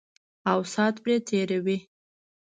او سات پرې تېروي.